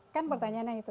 kan pertanyaannya itu